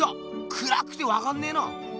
くらくてわかんねえな！